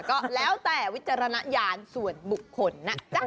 ก็แล้วแต่วิจารณญาณส่วนบุคคลนะจ๊ะ